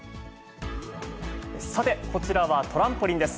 さて、こちらはトランポリンです。